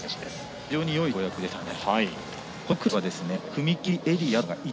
非常によい跳躍でしたね。